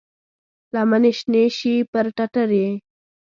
لمنې شنې شي پر ټټر یې،